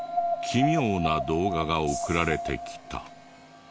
奇妙な動画が送られてきた。